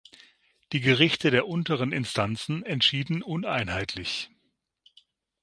Die Gerichte der unteren Instanzen entschieden uneinheitlich.